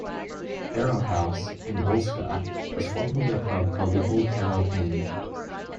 "Harrow House", in Woolscott, was formerly a pub called the "Old Harrow Inn".